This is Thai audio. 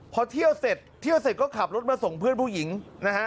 พอเที่ยวเสร็จเที่ยวเสร็จก็ขับรถมาส่งเพื่อนผู้หญิงนะฮะ